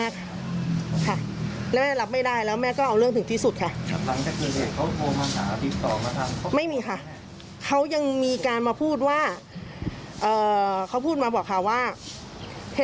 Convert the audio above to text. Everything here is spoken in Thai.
คุณพูดเป็นยังไงเขาโทรมาหาคุณแม่